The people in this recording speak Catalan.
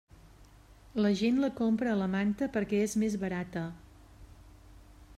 La gent la compra a la manta perquè és més barata.